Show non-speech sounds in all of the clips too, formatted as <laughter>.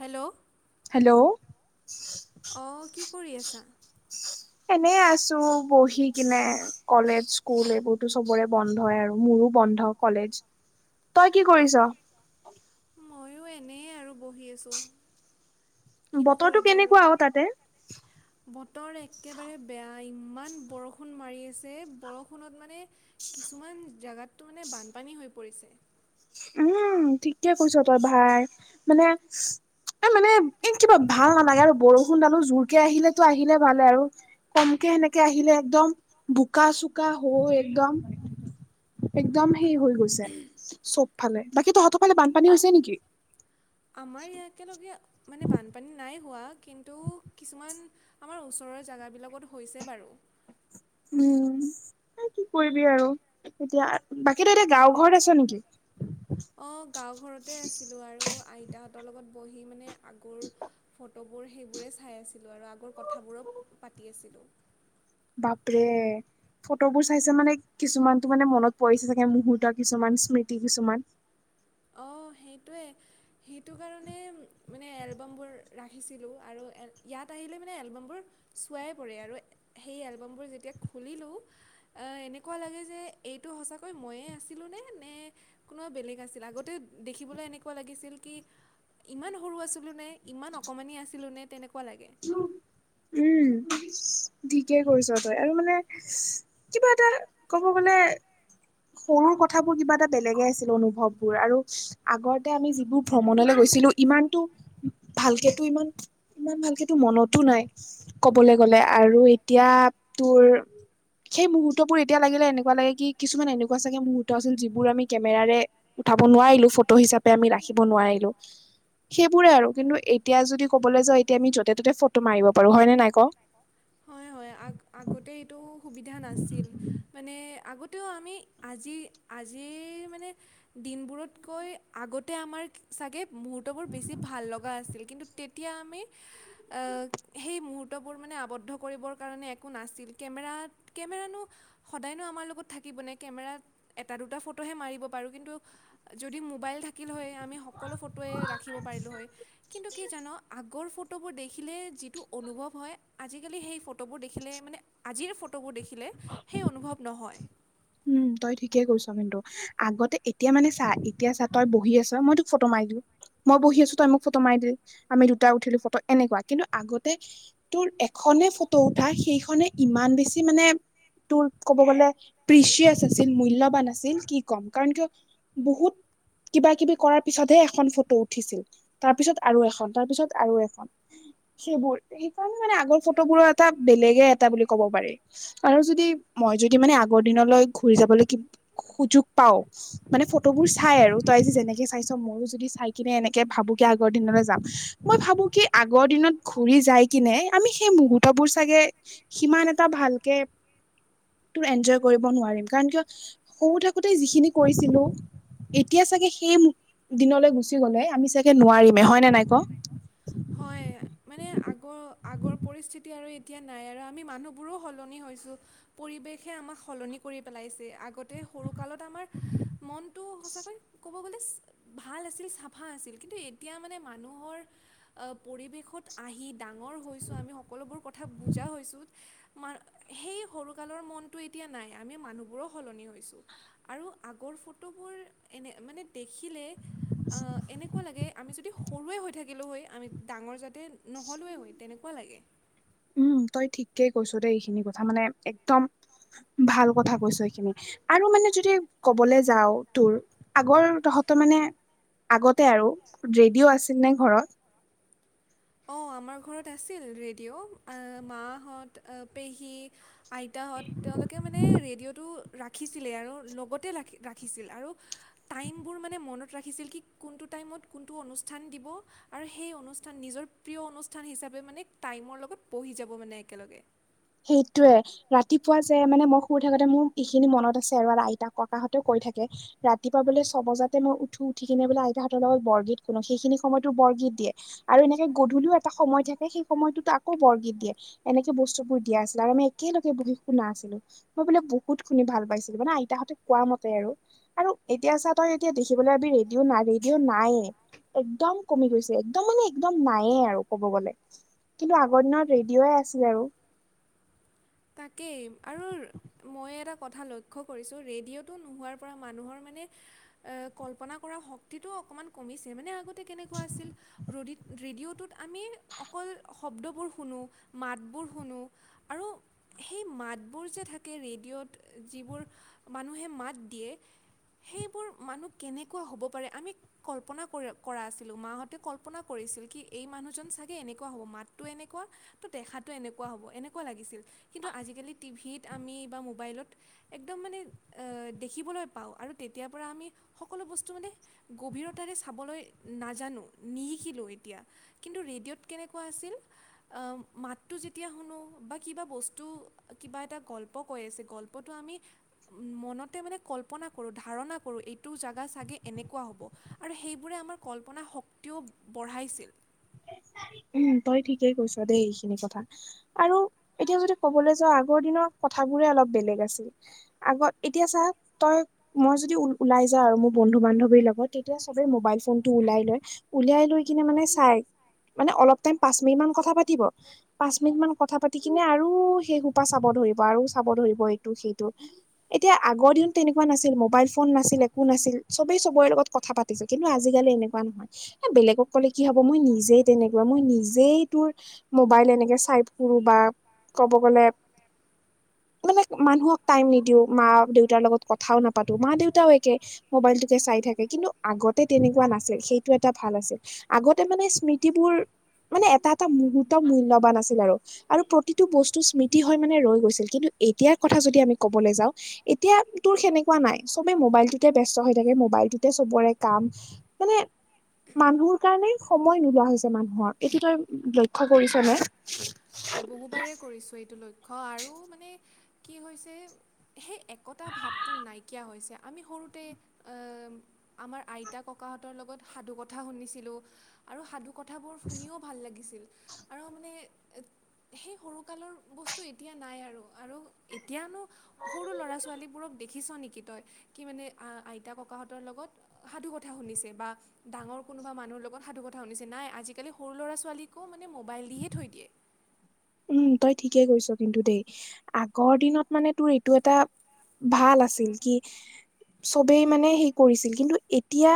Hello hello অঁ কি কৰি আছা? এনেই আছো বহি কিনে, কলেজ, স্কুল এইবোৰতো চবৰে ব - বন্ধই আৰু মোৰো বন্ধ কলেজ। <inaudible> তই কি কৰিছ? মইয়ো এনেই আৰু বহি আছোঁ। কিনো বতৰটো কৰিবি আৰু। কেনেকুৱা অ তাতে বতৰ একেবাৰে বেয়া ইমান বৰষুণ মাৰি আছে বৰষুণত মানে - কিছুমান জেগাতটো মানে বানপানী হৈ পৰিছে। উম, ঠিকে কৈছ তই ভাই মানে - এই মানে এ কিবা ভাল নালাগে আৰু বৰষুণডালো জোৰকে আহিলে তো আহিলে ভালে আৰু - কমকে সেনেকে আহিলে একদম বোকা চোকা হৈ একদম - একদম সেই হৈ গৈছে চবফালে। বাকী তহঁতৰ ফালে বানপানী হৈছে নেকি? আমাৰ এই একেলগে মানে বানপানী নাই হোৱা কিন্তু কিছুমান - আমাৰ ওচৰৰ জেগাবিলাকত হৈছে বাৰু। উম, কি কৰিবি আৰু এতিয়া বাকী ত‌ই এতিয়া গাওঁ ঘৰত আছ নেকি? অ গাঁও ঘৰতে আছিলোঁ আৰু আইতাহঁতৰ লগত বহি মানে আগুৰ - ফটোবোৰ সেইবোৰেই চাই আছিলোঁ আৰু আগৰ কথাবোৰো পাতি আছিলোঁ। বাপৰে। ফটোবোৰ চাইছে মানে কিছুমানতো মানে মনত পৰিছে চাগে মুহূৰ্ত কিছুমান স্মৃতি কিছুমান। অ সেইটোৱে। সেইটো কাৰণে মানে এলবামবোৰ ৰাখিছিলোঁ আৰু ইয়াত আহিলে মানে এলবামবোৰ - চোৱাই পৰে আৰু সেই এলবামবোৰ যেতিয়া খুলিলোঁ - এনেকুৱা লাগে যে এইটো সঁচাকৈ ম‌ইয়ে আছিলো নে, নে কোনোবা বেলেগ আছিল আগত - দেখিবলৈ এনেকুৱা লাগিছিল কি? ইমান সৰু আছিলো নে, ইমান অকমানি আছিলো নে, তেনেকুৱা লাগে। উম, ইছ্। ঠিকেই কৰিছ তই, আৰু মানে কিবা এটা কব গলে - সৰু কথাবোৰ কিবা এটা বেলেগে আছিল অনুভৱবোৰ আৰু - আগৰতে আমি যিবোৰ ভ্ৰমণলৈ গৈছিলো ইমানতো ভালকেতো ইমান - ইমান ভালকে তো মনতো নাই, কবলে গলে আৰু এতিয়া তোৰ - সেই মুহুৰ্তবোৰ এতিয়া লাগিলে এনেকুৱা লাগে কি কিছুমান এনেকুৱা চাগে মুহুৰ্ত আছিল যিবোৰ আমি কেমেৰাৰে - উঠাব নোৱাৰিলো, ফটো হিচাপে আমি ৰাখিব নোৱাৰিলো। সেইবোৰেই আৰু কিন্তু এতিয়া যদি কবলৈ যাও এতিয়া আমি য'তে ত'তে ফটো মাৰিব পাৰো হয়নে নাই ক? হয় হয় আগ আগতেই এইটো সুবিধা নাছিল। মানে, আগতেও আমি আজি আজিৰ মানে দিনবোৰতকৈ আগতে আমাৰ চাগে মুহুৰ্তবোৰ বেছি ভাল লগা আছিল কিন্তু তেতিয়া আমি এ সেই মুহুৰ্তবোৰ মানে আৱদ্ধ কৰিবৰ কাৰণে একো নাছিল, কেমেৰাত কেমেৰানো সদায়নো আমাৰ লগত থাকিব নে কেমেৰাত এটা দুটা ফটোহে মাৰিব পাৰো কিন্তু যদি মোবাইল থাকিল হয় আমি সকলো ফটোৱে ৰাখিব পাৰিলো হয় কিন্তু জান আগৰ ফ টোবোৰ দেখিলে যিটো অনুভৱ হয়, আজিকালি সেই ফ ফটোবোৰ দেখিলে, মানে আজিৰ এই ফটোবোৰ দেখিলে সেই অনুভৱ নহয়। উম' তই ঠিকেই কৈছ কিন্তু। আগতে এতিয়া মানে চা, এতিয়া চা, তই বহি আছ মই তোক ফটো মাৰি দিলো মই বহি আছো তই মোক ফটো মাৰি দিলি আমি দুটা উঠিলো ফটো এনেকোৱা, কিন্তু আগতে তোৰ এখনে ফটো উঠা সেইখনে ইমান বেছি মানে তোৰ ক'ব গ'লে প্ৰিচিয়াছ আছিল মূল্যৱান আছিল, কি ক'ম কাৰণ কিয় বহুত কিবা কিবি কৰাৰ পিছতহে এখন ফটো উঠিছিল, তাৰপিছত আৰু এখন, তাৰপিছত আৰু এখন সেইবোৰ সেইকাৰণে মানে, আগৰ ফটোবোৰৰ এটা বেলেগে এটা বুলি ক'ব পাৰি। আৰু যদি মই যদি মানে, আগৰ দিনলৈ ঘূৰি যাবলৈ কিবা সুযোগ পাও মানে ফটোবোৰ চাই আৰু তই যে যেনেকে চাইছ মইয়ো যদি চাই কিনে এনেকে ভাবো কি আগৰ দিনলৈ যাম মই ভাবো কি আগৰ দিনত ঘুৰি যাই কিনে, আমি সেই মুহুৰ্তবোৰ চাগে সিমান এটা ভালকে, তোৰ এঞ্জয় কৰিব নোৱাৰিম, কাৰণ কিয় সৰু থাকোতেই যিখিনি কৰিছিলো এতিয়া চাগে সেই মূ দিনলৈ গুচি গ'লে আমি চাগে নোৱাৰিমে হয় নে নাই ক? হয়, মানে আগৰ আগৰ পৰিস্থিতি আৰু এতিয়া নাই আৰু আমি মানুহবোৰো সলনি হৈছো পৰিৱেশে আমাক সলনি কৰি পেলাইছে আগত এ সৰু কালত আমাৰ মনটো সঁচাকৈ ক'বলৈ গলে ভাল আছিল, চাফা আছিল, কিন্তু এতিয়া মানে মানুহৰ অ পৰিৱেশত আহি ডাঙৰ হৈছো, আমি সকলোবোৰ কথা বুজা হৈছো মা, সেই সৰুকালৰ মনটো এতিয়া নাই। আমি মানুহবোৰো সলনি হৈছো। আৰু আগৰ ফটোবোৰ এনে মানে দেখিলে আ এনেকোৱা লাগে আমি যদি সৰুৱেই হৈ থাকিলো হয় আমি ডাঙৰ যাতে নহলোৱেই হয়, তেনেকোৱা লাগে উম, তই ঠিকেই কৈছ দেই, এইখিনি কথা মানে একদম ভাল কথা কৈছ এইখিনি। আৰু মানে, যদি ক'বলৈ যাও তোৰ আগৰ তহঁতৰ মানে আগতে আৰু ৰেডিঅ' আছিল নে ঘৰত? অ', আমাৰ ঘৰত আছিল ৰেডিঅ', এ মাহঁত অ পেহী আইতাহঁত তেওঁলোকে মানে ৰেডিঅ'টো ৰাখিছিলে আৰু লগতে ৰাখি ৰাখিছিল আৰু টাইমবোৰ মানে, মনত ৰাখিছিল কি কোনটো টাইমত, কোনটো অনুষ্ঠান দিব আৰু সেই অনুষ্ঠান নিজৰ প্ৰিয় অনুষ্ঠান হিচাপে মানে টাইমৰ লগত বাঢ়ি যাব মানে একেলগে সেইটোৱে ৰাতিপুৱা যে, মানে মই শুই থাকোতে মোৰ এইখিনি মনত আছে আৰু আইতাক ককাহঁতেও কৈ থাকে ৰাতিপুৱা, বোলে ছয় বজাতে, মই উঠো উঠি কিনে বোলে, আইতাহঁতৰ লগত বৰগীত শুনো সেইখিনি সময়টো বৰগীত দিয়ে। আৰু এনেকে গধূলিও এটা সময় থাকে, সেই সময়টোত আকৌ বৰগীত দিয়ে এনেকে বস্তুবোৰ দিয়া আছিলে, আৰু আমি একেলগে বহি শুনা আছিলো। মই বোলে, বহুত শুনি ভাল পাইছিলো মানে আইতাহঁতে কোৱা মতে, আৰু আৰু এতিয়া চা, তই এতিয়া দেখিবলৈ পাবি ৰেডিঅ' নাই ৰেডিঅ' নায়েই একদম কমি গৈছে, একদম মানে, একদম নায়েই আৰু ক'ব গ'লে। কিন্তু আগৰ দিনত ৰেডিঅয় আছিল আৰু তাকেই আৰু মই এটা কথা লক্ষ্য কৰিছোঁ ৰেডিঅ'টো নোহোৱাৰ পৰা মানুহৰ মানে এ কল্পনা কৰা শক্তিটো অকমান কমিছে মানে আগত কেনেকুৱা আছিল ৰেডিঅ'ত টোত আমি অকল শব্দবোৰ শুনো মাতবোৰ শুনো আৰু সেই মাতবোৰ যে থাকে, ৰেডিঅ'ত যিবোৰ মানুহে মাত দিয়ে সেইবোৰ মানুহ কেনেকুৱা হ'ব পাৰে আমি কল্পনা কৰা আছিলোঁ মাহঁতে কল্পনা কৰিছিল কি এই মানুহজন চাগে এনেকুৱা হ'ব মাতটো এনেকুৱা তো দেখাতটো এনেকুৱা হ'ব এনেকুৱা লাগিছিল কিন্তু আজিকালি টিভিত আমি বা মোবাইলত একদম মানে দেখিবলৈ পাওঁ আৰু তেতিয়াৰ পৰা আমি সকলো বস্তু মানে গভীৰতাৰে চাবলৈ নাজানো নিশিকিলোঁ এতিয়া কিন্তু ৰেডিঅ'ত কেনেকুৱা আছিল মাতটো যেতিয়া শুনোঁ বা কিবা বস্তু টো কিবা এটা গল্প কৈ আছে গল্পটো আমি মনতে মানে কল্পনা কৰোঁ ধাৰণা কৰোঁ এইটো জেগা চাগে এনেকুৱা হ'ব আৰু সেইবোৰে আমাৰ কল্পনা শক্তিও বঢ়াইছিল উম তই ঠিকেই কৈছ দেই এইখিনি কথা আৰু এতিয়া যদি ক'বলৈ যাওঁ আগৰ দিনৰ কথাবোৰে অলপ বেলেগ আছিল আগত এতিয়া চা তই মই যদি ওলাই যাও আৰু মোৰ বন্ধু বান্ধৱীৰ লগত তেতিয়া সবে মোবাইল ফোন টো ওলাই লয় উলিয়াই লৈ কিনে মানে চাই মানে অলপ টাইম পাঁচ মিনিট মান কথা পাতিব পাঁচ মিনিট মান কথা পাতি কিনে আৰু সেই সোপা চাব ধৰিব আৰু চাব ধৰিব এইটো সেইটো এতিয়া আগৰ দিনত তেনেকুৱা নাছিল মোবাইল ফোন নাছিল একো নাছিল চবেই চবৰে লগত কথা পাতিছো কিন্তু আজিকালি এনেকুৱা নহয় এ বেলেগক ক'লে কি হব মই নিজে তেনেকুৱা মই নিজেই তোৰ মোবাইল এনেকে চাই ফুৰো বা ক'ব গ'লে মানে মানুহক টাইম নিদিও মা দেউতাৰ লগত কথাও নাপাতো মা দেউতাও একে মবাইলটোকে চাই থাকে কিন্তু আগতে তেনেকুৱা নাছিল সেইটো এটা ভাল আছিল আগতে মানে স্মৃ স্মৃতি বোৰ মানে এটা এটা মুহূৰ্ত মূল্যবান আছিল আৰু আৰু প্ৰতিটো বস্তু স্মৃতি হয় মানে ৰৈ গৈছিল কিন্তু এতিয়াৰ কথা যদি আমি ক'বলৈ যাওঁ এতিয়া তোৰ সেনেকুৱা নাই চবে মোবাইলটোতে ব্যস্ত হৈ থাকে মোবাইলটোতে চবৰে কাম মানে মানুহৰ কাৰণে সময় নোলোৱা হৈছে মানুহৰ এইটো তই লক্ষ্য কৰিছ মই বহুবাৰে কৰিছোঁ এইটো লক্ষ্য আৰু মানে কি হৈছে সেই একতা ভাৱটো নাইকিয়া হৈছে আমি সৰুতে আমাৰ আইতা ককাহঁতৰ লগত সাধু কথা শুনিছিলোঁ আৰু সাধু কথাবোৰ শুনিও ভাল লাগিছিল আৰু মানে সেই সৰুকালৰ বস্তু এতিয়া নাই আৰু আৰু এতিয়ানো সৰু ল'ৰা ছোৱালীবোৰক দেখিছ নেকি তই কি মানে আইতা ককাহঁতৰ লগত সাধু কথা শুনিছে বা ডাঙৰ কোনোবা মানুহ লগত সাধু কথা শুনিছে নাই আজিকালি সৰু ল'ৰা ছোৱালীকো মানে মোবাইল দিহে থৈ দিয়ে। উম তই ঠিকেই কৈছ কিন্তু দেই আগৰ দিনত মানে তোৰ এইটো এটা ভাল আছিল কি চবেই মানে হে কৰিছিল কিন্তু এতিয়া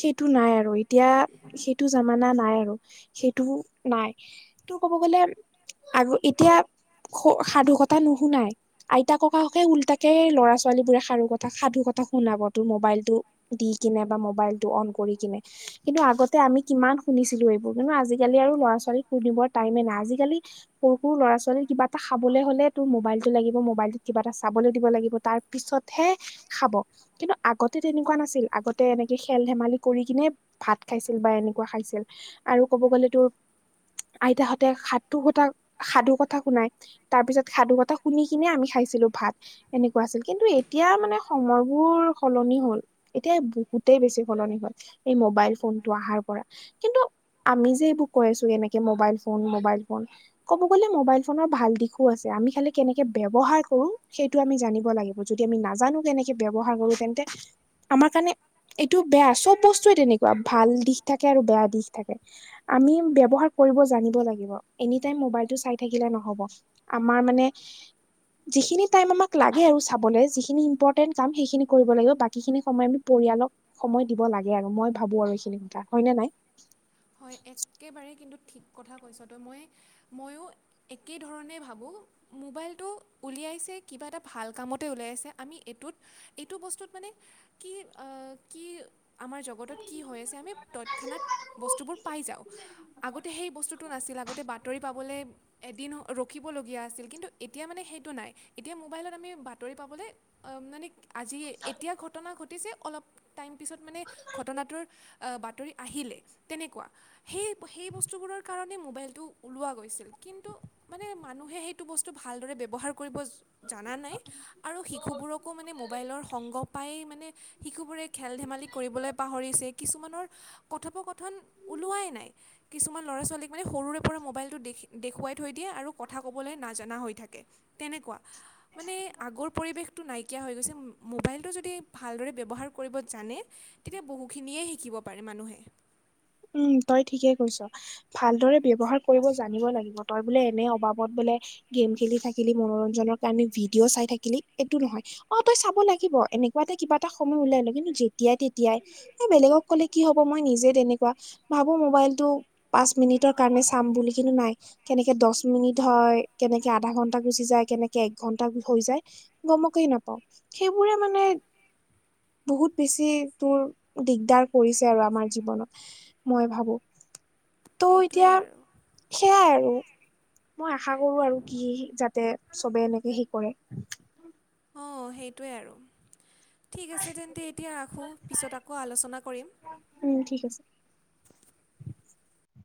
সেইটো নাই আৰু এতিয়া সেইটো জামানা নাই আৰু সেইটো নাই। তো ক'ব গ'লে আগ এতিয়া স-সাধুকতা নুশুনাই। আইতা ককাসকে উল্টাকে সেই ল'ৰা ছোৱালী বোৰে সাৰু কথা সাধু কথা শুনাব তোৰ মোবাইলটো দি কিনে বা মোবাইলটো অন কৰি কিনে। কিন্তু আগতে আমি কিমান শুনিছিলো এইবোৰ কিন্তু আজিকালি আৰু ল'ৰা ছোৱালীক শুনিবৰ টাইমে নাই আজিকালি সৰু সৰু ল'ৰা ছোৱালীৰ কিবা এটা খাবলৈ হ'লে তোৰ মোবাইলটো লাগিব মোবাইলটোত কিবা এটা চাবলৈ দিব লাগিব তাৰ পিছতহে খাব। কিন্তু আগতে তেনেকুৱা নাছিল আগতে এনেকে খেল ধেমালি কৰি কিনে ভাত খাইছিল বা এনেকুৱা খাইছিল আৰু ক'ব গ'লে তোৰ আইতাহঁতে খাত ধু স সাধু কথা শুনাই তাৰ পিছত সাধু কথা শুনি কিনে আমি খাইছিলো ভাত। এনেকুৱা আছিল কিন্তু এতিয়া মানে সময়বোৰ সলনি হল। এতিয়া বহুতেই বেছি সলনি হল এই মোবাইল ফোনটো আহাৰ পৰা। কিন্তু আমি যে এইবোৰ কৈ আছো এনেকে মোবাইল ফোন মোবাইল ফোন। কব গলে মোবাইল ফোনৰ ভাল দিশো আছে আমি খালি কেনেকে ব্যৱহাৰ কৰো সেইটো আমি জানিব লাগিব। যদি আমি নাজানো কেনেকে ব্যৱহাৰ কৰো তেন্তে আমাৰ কাৰণে এইটো বেয়া চব বস্তুৱে তেনেকুৱা ভাল দিশ থাকে আৰু বেয়া দিশ থাকে। আমি ব্যৱহাৰ কৰিব জানিব লাগিব। এনি টাইম মোবাইলটো চাই থাকিলে নহব আমাৰ মানে <inaudible> যিখিনি টাইম আমাক লাগে আৰু চাবলৈ যিখিনি ইম্পৰ্টেণ্ট কাম সেইখিনি কৰিব লাগিব বাকীখিনি সময় আমি পৰিয়ালক সময় দিব লাগে আৰু মই ভাবো আৰু এইখিনি কথা হয়নে নাই। হয় একেবাৰে কিন্তু ঠিক কথা কৈছ তো মই ময়ো একেধৰণে ভাবোঁ। মোবাইলটো উলিয়াইছে কিবা এটা ভাল কামতে উলিয়াইছে আমি এইটোত এইটো বস্তুত মানে কি কি আমাৰ জগতত কি হৈ আছে আমি তৎক্ষণাত বস্তুবোৰ পাই যাওঁ আগতে সেই বস্তুটো নাছিল আগতে বাতৰি পাবলে এদিন ৰখিবলগীয়া আছিল কিন্তু এতিয়া মানে সেইটো নাই এতিয়া মোবাইলত আমি বাতৰি পাবলে অ মানে আজি এতিয়া ঘটনা ঘটিছে অলপ টাইম পিছত মানে ঘটনাটোৰ বাতৰি আহিলে। তেনেকুৱা সেই সেই বস্তুবোৰৰ কাৰণে মোবাইলটো ওলোৱা গৈছিল কিন্তু মানে মানুহে সেইটো বস্তু ভালদৰে ব্যৱহাৰ কৰিব জনা নাই আৰু শিশুবোৰকো মানে মোবাইলৰ সংগ পাই মানে শিশুবোৰে খেল ধেমালি কৰিবলৈ পাহৰিছে কিছুমানৰ কথোপকথন ওলোৱাই নাই। কিছুমান ল'ৰা ছোৱালীক মানে সৰুৰে পৰা মোবাইলটো দেখি দেখুৱাই থৈ দিয়ে আৰু কথা ক'বলৈ নাজানা হৈ থাকে। তেনেকুৱা মানে আগৰ পৰিৱেশ টো নাইকিয়া হৈ গৈছে মোবাইলটো যদি ভালদৰে ব্যৱহাৰ কৰিব জানে তেতিয়া বহুখিনিয়ে শিকিব প পাৰে মানুহে। উম তই ঠিকে কৈছ। ভালদৰে ব্যৱহাৰ কৰিব জানিব লাগিব তই বোলে এনে অভাবত বোলে গেম খেলি থাকিলি মনোৰঞ্জনৰ কাৰণে ভিডিঅ' চাই থাকিলি এইটো নহয়। অ তই চাব লাগিব এনেকুৱা এটা কিবা এটা সময় উলিয়াই লৈ কিন্তু যেতিয়াই তেতিয়াই এ বেলেগক ক'লে কি হ'ব মই নিজে তেনেক কুৱা ভাবোঁ মোবাইলটো পাঁচ মিনিটৰ কাৰণে চাম বুলি কিন্তু নাই কেনেকে দছ মিনিট হয় কেনেকে আধা ঘন্টা গুচি যায় কেনেকে এক ঘন্টা হৈ যায়। গমকেই নাপাওঁ। সেইবোৰে মানে বহুত বেছি তোৰ দিগদাৰ কৰিছে আৰু আমাৰ জীৱনত। মই ভাবোঁ ত' সেইটোৱে এতিয়া আৰু সেয়াই আৰু মই আশা কৰোঁ আৰু কি যাতে চবে এনেকে সেই কৰে। অঁ সেইটোৱে আৰু ঠিক আছে তেন্তে এতিয়া ৰাখোঁ পিছত আকৌ আলোচনা কৰিম। উম ঠিক আছে।